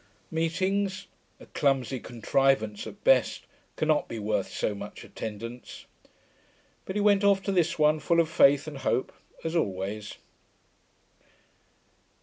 Meetings, a clumsy contrivance at best, cannot be worth so much attendance. But he went off to this one full of faith and hope, as always.